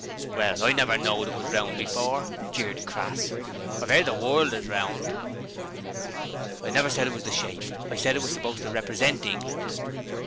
'Well, I never knowed it was round before,' jeered Crass. 'I've heard as the WORLD is round ' 'I never said it was the shape I said it was supposed to REPRESENT England.'